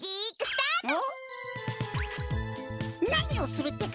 なにをするってか？